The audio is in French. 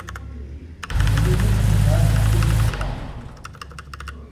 Il est nommé en hommage à Émile Grouard.